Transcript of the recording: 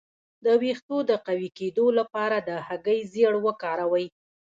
د ویښتو د قوي کیدو لپاره د هګۍ ژیړ وکاروئ